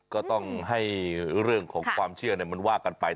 ก็ต้องให้เรื่องของความเชื่อมันว่ากันไป